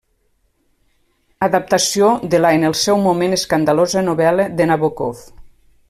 Adaptació de la en el seu moment escandalosa novel·la de Nabókov.